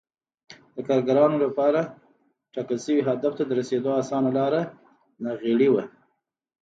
د کارګرانو لپاره ټاکل شوي هدف ته رسېدو اسانه لار ناغېړي وه